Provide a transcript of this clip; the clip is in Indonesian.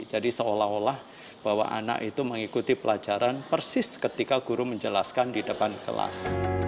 jadi seolah olah bahwa anak itu mengikuti pelajaran persis ketika guru menjelaskan di depan kelas